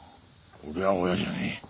俺は親じゃねえ。